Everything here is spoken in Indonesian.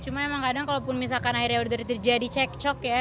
cuma emang kadang kalaupun misalkan akhirnya udah terjadi cek cok ya